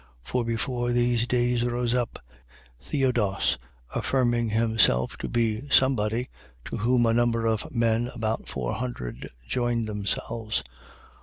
5:36. For before these days rose up Theodas, affirming himself to be somebody, to whom a number of men, about four hundred, joined themselves.